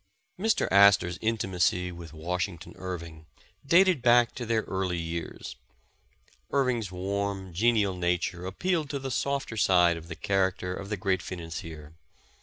Mr. Astor's intimacy with Washington Irving dated back to their early years. Irving 's warm, genial nature appealed to the softer side of the character of the great financier.